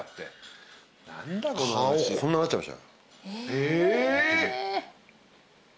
え！